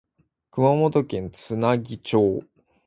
熊本県津奈木町